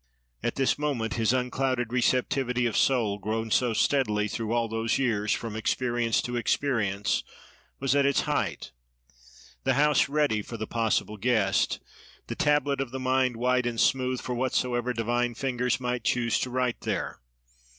At this moment, his unclouded receptivity of soul, grown so steadily through all those years, from experience to experience, was at its height; the house ready for the possible guest; the tablet of the mind white and smooth, for whatsoever divine fingers might choose to write there.